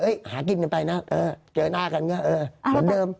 หากินกันไปนะเจอหน้ากันก็เออเหมือนเดิม